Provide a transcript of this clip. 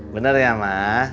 bener ya ma